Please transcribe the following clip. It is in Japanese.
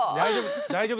大丈夫。